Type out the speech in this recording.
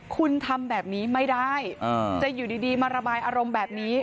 คุณทำแบบนี้ไม่ได้จะอยู่ดีมาระบายอารมณ์แบบนี้